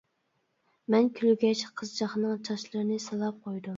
مەن كۈلگەچ، قىزچاقنىڭ چاچلىرىنى سىلاپ قويدۇم.